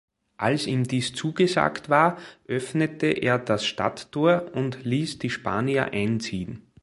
Als ihm dies zugesagt war, öffnete er das Stadttor und ließ die Spanier einziehen.